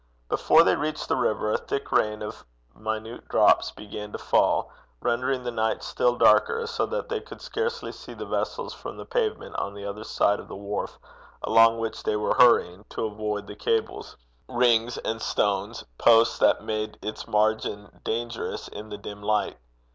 Before they reached the river, a thick rain of minute drops began to fall, rendering the night still darker, so that they could scarcely see the vessels from the pavement on the other side of the quay, along which they were hurrying, to avoid the cables, rings, and stone posts that made its margin dangerous in the dim light.